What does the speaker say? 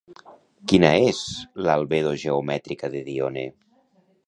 Quina és l'albedo geomètrica de Dione?